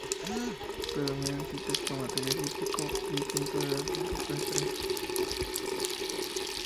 Predominan sitios con material lítico y pinturas rupestres.